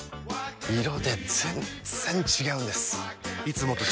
色で全然違うんです！